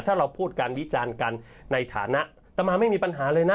ถ้าเราพูดกันวิจารณ์กันในฐานะต่อมาไม่มีปัญหาเลยนะ